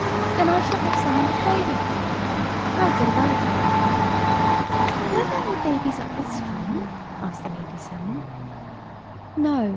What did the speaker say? "Then I shall have some one to play with there? How delightful!" "Were there no babies up this stream?" asked the lady salmon. "No!